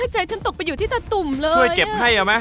อุ้ยใจฉันตกไปอยู่ที่ตาตุ่มเลย